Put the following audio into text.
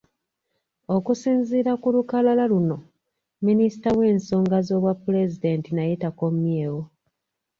Okusinziira ku lukalala luno, Minisita w’ensonga z’Obwapulezidenti naye takommyewo.